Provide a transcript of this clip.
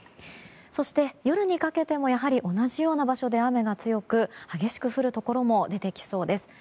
そして、夜にかけてもやはり同じような場所で雨が強く激しく降るところも出てきそうです。